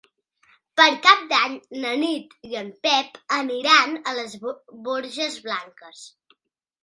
Per Cap d'Any na Nit i en Pep aniran a les Borges Blanques.